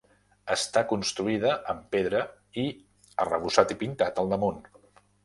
Està construïda amb pedra i arrebossat i pintat al damunt.